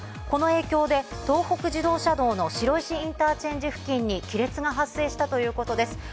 この影響で東北自動車道の白石インターチェンジ付近に亀裂が発生したということです。